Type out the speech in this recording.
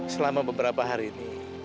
selama beberapa hari ini